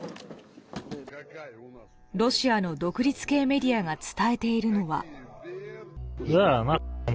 ロシアの独立系メディアが伝えているのは。